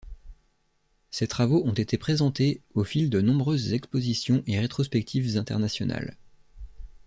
Ses travaux ont été présentés au fil de nombreuses expositions et rétrospectives internationales.